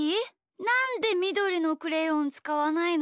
なんでみどりのクレヨンつかわないの？